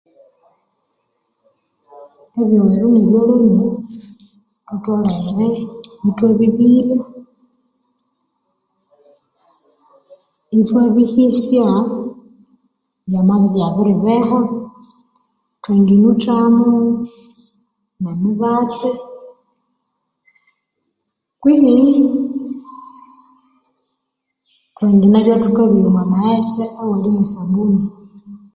Ebyoghero nebyoloni thutholere ithwabibirya ithwabihisyaa byamabya ibyabiribeha thwanganuthamo emibatsi kwihi thwanganabya thukabyoya omumayetse awali mwesabuni